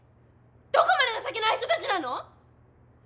どこまで情けない人たちなの！